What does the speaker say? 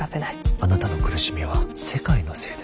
あなたの苦しみは世界のせいです。